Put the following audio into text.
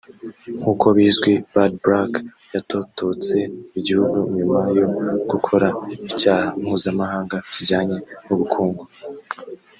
“Nk’uko bizwi Bad Black yatototse igihugu nyuma yo gukora icyaha mpuzamahanga kijyanye n’ubukungu